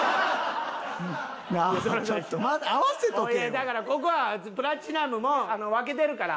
だからここはプラチナムも分けてるから。